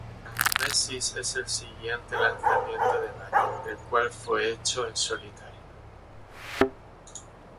Anamnesis es el siguiente lanzamiento de Bayer, el cual fue hecho en solitario.